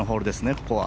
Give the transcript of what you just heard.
ここは。